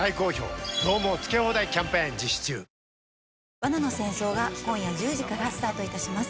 『罠の戦争』が今夜１０時からスタートいたします。